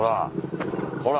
ほら！